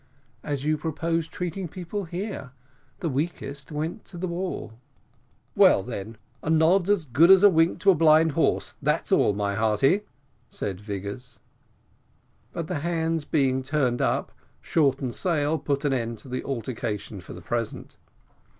"As you propose treating people here `the weakest went to the wall.'" "Well, then, a nod's as good as a wink to a blind horse, that's all, my hearty," said Vigors. But the hands being turned up, "Shorten sail" put an end to the altercation for the present.